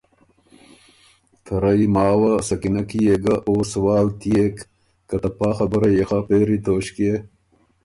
ته رئ ماوه سکینۀ کی يې ګه او سوال تيېک که ته پا خبُره يېخه پېری توݭکيې